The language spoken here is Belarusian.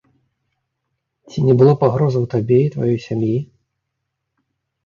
Ці не было пагрозаў табе і тваёй сям'і?